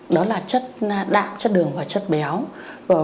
đó là chất đạm chất đường và chất béo